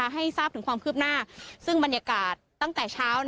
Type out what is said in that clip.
ให้ทราบถึงความคืบหน้าซึ่งบรรยากาศตั้งแต่เช้า